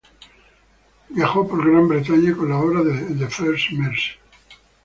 Viajó por Gran Bretaña con la obra "The First Mrs.